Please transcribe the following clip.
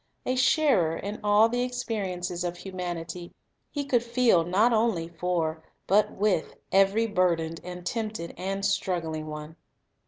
A sharer in all the experiences of humanity, He could feel not only for, but with, every burdened and tempted and struggling one.